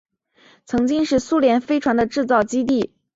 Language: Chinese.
曾经是苏联飞船的制造基地。